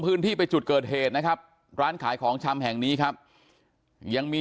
พื้นที่ไปจุดเกิดเหตุนะครับร้านขายของชำแห่งนี้ครับยังมี